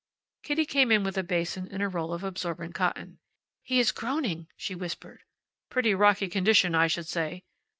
Kitty came in with a basin and a roll of absorbent cotton. "He is groaning!" she whispered. "Pretty rocky condition, I should say.